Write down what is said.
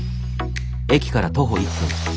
駅から徒歩１分。